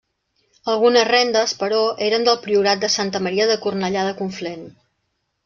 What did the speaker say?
Algunes rendes, però, eren del priorat de Santa Maria de Cornellà de Conflent.